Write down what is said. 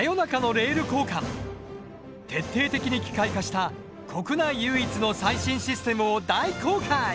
徹底的に機械化した国内唯一の最新システムを大公開！